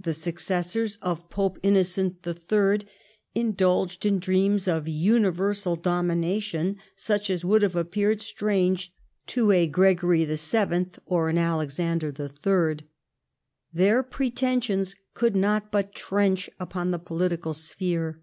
The successors of Pope Innocent III. indulged in dreams of universal domination such as would have appeared strange to a Gregory VII. or an Alexander III. Their pretensions could not but trench upon the political sphere.